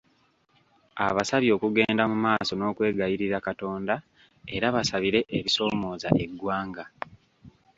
Abasabye okugenda mu maaso n'okwegayirira Katonda era basabire ebisoomooza eggwanga